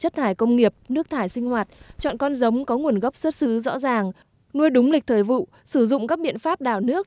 dẫn đến chết hàng nuôi đúng lịch thời vụ sử dụng các biện pháp đảo nước